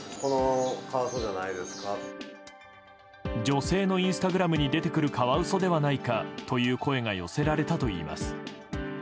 女性のインスタグラムに出てくるカワウソではないかという声が寄せられたといいます。